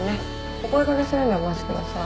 お声がけするんでお待ちください。